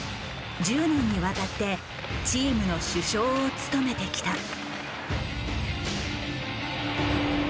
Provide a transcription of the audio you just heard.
１０年にわたってチームの主将を務めてきた。